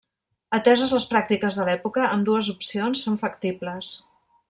Ateses les pràctiques de l'època, ambdues opcions són factibles.